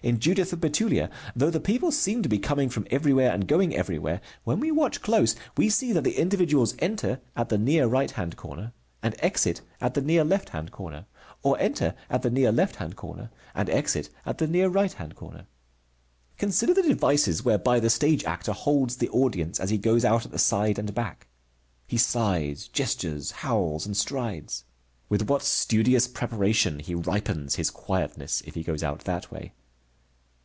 In Judith of Bethulia, though the people seem to be coming from everywhere and going everywhere, when we watch close, we see that the individuals enter at the near right hand corner and exit at the near left hand corner, or enter at the near left hand corner and exit at the near right hand corner. Consider the devices whereby the stage actor holds the audience as he goes out at the side and back. He sighs, gestures, howls, and strides. With what studious preparation he ripens his quietness, if he goes out that way.